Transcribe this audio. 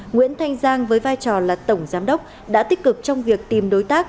nguyễn thanh giang với vai trò là tổng giám đốc đã tích cực trong việc tìm đối tác